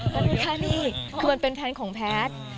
แต่แค่นี้คือมันเป็นแทนของแพทย์